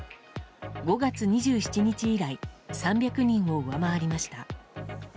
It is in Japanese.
５月２７日以来３００人を上回りました。